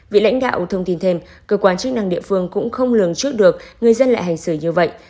vị lãnh đạo thông tin thêm cơ quan chức năng địa phương cũng không lường trước được người dân lại hành xử như vậy